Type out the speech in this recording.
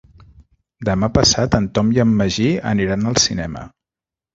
Demà passat en Tom i en Magí aniran al cinema.